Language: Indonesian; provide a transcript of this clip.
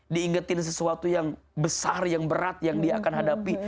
diingetin sesuatu yang besar yang berat yang dia akan hadapi